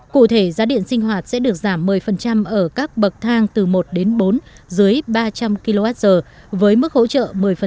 cụ thể giá điện sinh hoạt sẽ được giảm một mươi ở các bậc thang từ một đến bốn dưới ba trăm linh kwh với mức hỗ trợ một mươi